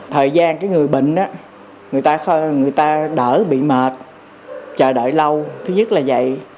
thời gian cái người bệnh đó người ta đỡ bị mệt chờ đợi lâu thứ nhất là vậy